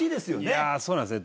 いやー、そうなんですね。